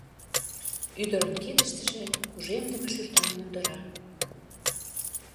Ӱдырын кидыштыже кужемдыме шӱртан мундыра.